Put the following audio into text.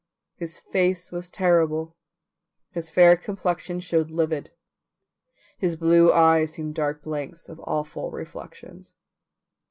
His face was terrible, his fair complexion showed livid; his blue eyes seemed dark blanks of awful reflections.